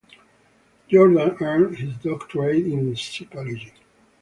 Jordan earned his doctorate in psychology.